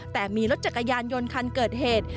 แต่มีรถจักรยานยนต์คันเกิดเหตุ